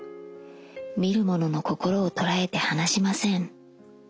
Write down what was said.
見る者の心を捉えて離しません。